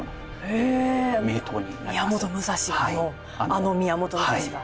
あのあの宮本武蔵が。